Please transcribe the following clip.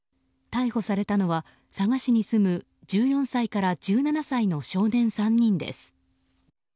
逮捕されたのは佐賀市に住む１４歳から１７歳の少年３人です。